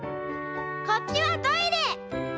こっちはトイレ！」。